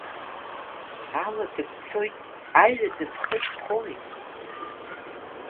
Алада бцоит, аҩада бхы зхоуи?